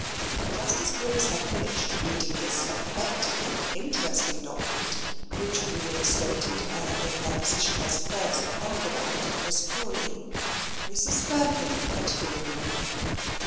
Just as Briggs had finished reading this affecting and interesting document, which reinstated her in her position as first confidante of Miss Crawley, Mrs. Firkin entered the room.